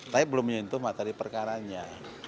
tapi belum menyentuh materi perkaranya